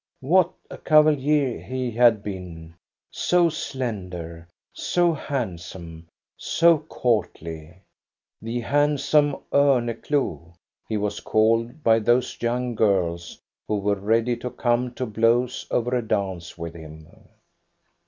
What a cavalier he had been, so slender, so handsome, so courtly !" The handsome Orneclou " 82 THE STORY OF GOSTA BERUNG he was called by those young girls, who were ready to come to blows over a dance with him.